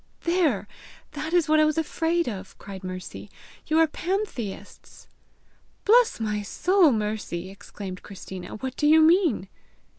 "There! that is what I was afraid of!" cried Mercy: "you are pantheists!" "Bless my soul, Mercy!" exclaimed Christina; "what do you mean?"